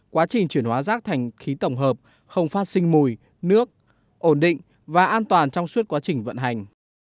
quá trình chuyển hóa rác thành khí tổng hợp không phát sinh mùi nước ổn định và an toàn trong suốt quá trình vận hành